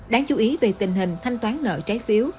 đáng chú ý về tình hình thanh toán nợ trái phiếu